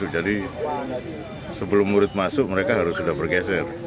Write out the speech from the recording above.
jadi sebelum murid masuk mereka harus sudah bergeser